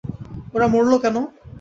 ওরা মরলো কেন?